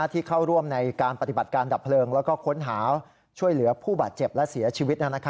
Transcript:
ที่เข้าร่วมในการปฏิบัติการดับเพลิงแล้วก็ค้นหาช่วยเหลือผู้บาดเจ็บและเสียชีวิต